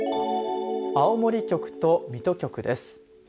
青森局と水戸局です。